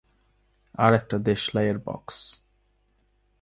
আর একটা দেশলাইয়ের বক্স।